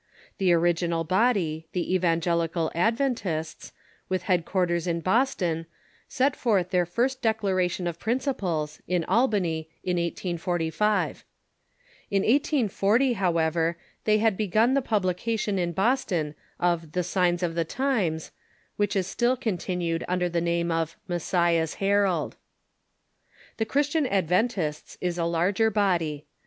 The original body, the Evangelical Adventists, with headquarters in Bos ton, set forth their first Declaration of Principles in Albanv in 1845. In 1840, however, they had begun the publication in Boston of the Sifjns of the Times, which is still continued un der the name of llessiah^s Herald. The Christian Adventists is a larger body.